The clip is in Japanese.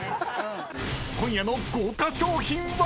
［今夜の豪華賞品は⁉］